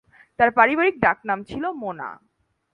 তার পারিবারিক ডাক নাম ছিল মোনা।